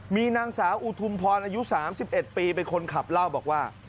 มีนางสาวอุทุมพรอายุ๓๑ปีเป็นคนขับเล่าบอกว่า